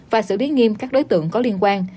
và xử lý nghiêm các đối tượng có liên quan